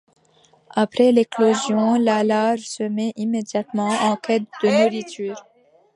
Après l'éclosion, la larve se met immédiatement en quête de nourriture.